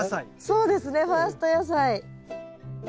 そうですねファースト野菜。